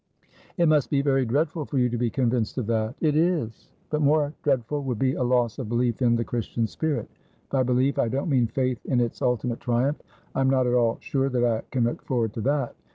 "It must be very dreadful for you to be convinced of that." "It is. But more dreadful would be a loss of belief in the Christian spirit. By belief, I don't mean faith in its ultimate triumph; I am not at all sure that I can look forward to that.